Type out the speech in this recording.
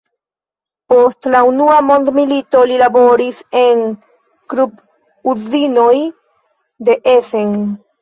Post la unua mondmilito, li laboris en Krupp-uzinoj de Essen.